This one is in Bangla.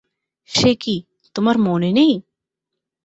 সে কী, তোমার মনে নেই!